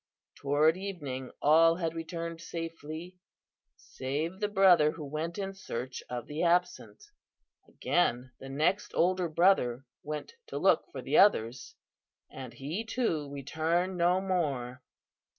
Toward evening all had returned safely, save the brother who went in search of the absent. Again, the next older brother went to look for the others, and he too returned no more.